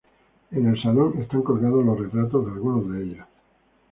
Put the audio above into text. En el salón están colgados los retratos de algunos de ellos.